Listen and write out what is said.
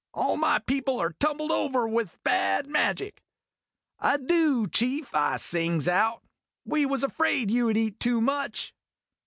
All un people are tumbled over with bad magic !" "Adoo, Chief!' I sings out. "We was afraid you 'd eat too much